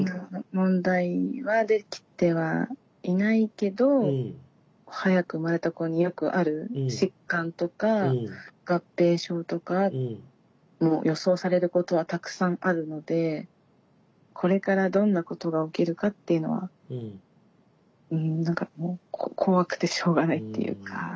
問題はできてはいないけど早く生まれた子によくある疾患とか合併症とか予想されることはたくさんあるのでこれからどんなことが起きるかっていうのは何かもう怖くてしょうがないっていうか。